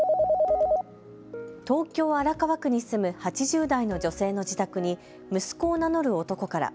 東京・荒川区に住む８０代の女性の自宅に息子を名乗る男から